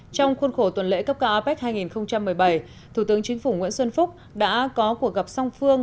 trong khuôn khổ tuần lễ cấp cao apec hai nghìn một mươi bảy thủ tướng chính phủ nguyễn xuân phúc đã có cuộc gặp song phương